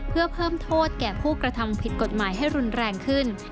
เพื่อเพิ่มโทษแก่ผู้กระทำผิดกฎหมายให้รุนแรงขึ้น